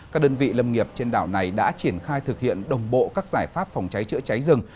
các đơn vị lâm nghiệp trên đảo này đã triển khai thực hiện đồng bộ các giải pháp phòng cháy chữa cháy rừng